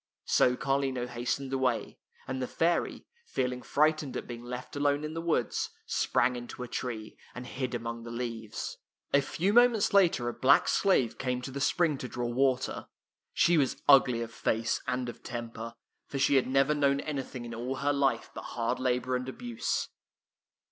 So Carlino hastened away, and the fairy, feeling frightened at being left alone in the woods, sprang into a tree, and hid among the leaves. A few moments later a black slave came to the spring to draw water. She was ugly of face and of temper, for she had never known anything in all her life but hard labor and abuse.